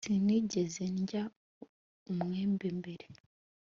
Sinigeze ndya umwembe mbere